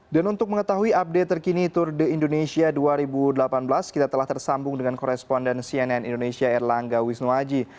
dan untuk mengetahui update terkini tour de indonesia dua ribu delapan belas kita telah tersambung dengan korespondan cnn indonesia erlangga wisnuaji